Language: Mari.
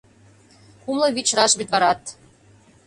Кумло вичыраш вӱдварат